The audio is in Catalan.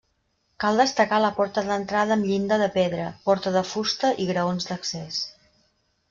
Cal destacar la porta d'entrada amb llinda de pedra, porta de fusta i graons d'accés.